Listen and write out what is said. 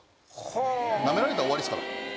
なめられたら終わりっすから。